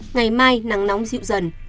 ngày mai nắng nóng dịu dần